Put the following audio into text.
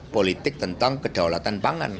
politik tentang kedaulatan pangan